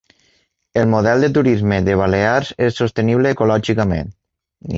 El model de turisme de balears és sostenible ecològicament